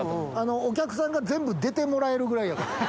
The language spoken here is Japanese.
お客さんが全部出てもらえるぐらいやから。